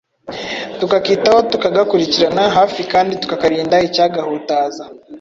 tukakitaho tukagakurikiranira hafi kandi tukakarinda icya gahutaza